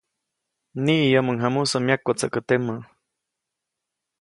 Niʼiyäʼmuŋ jamusä myakwätsäkä temä.